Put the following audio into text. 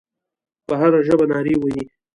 په هره ژبه نارې وهي.